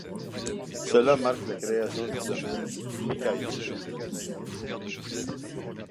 Cela marque la création du domaine de Mikkaichi.